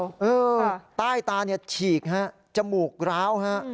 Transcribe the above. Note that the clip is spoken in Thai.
ใช่ครับต้ายตาฉีกจมูกร้าว